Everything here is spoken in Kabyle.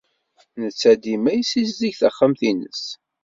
Netta dima yessizdig taxxamt-nnes.